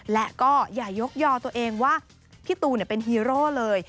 และก็อย่ายกยอตัวเองว่าพี่ตูนเป็นฮีโร่เลย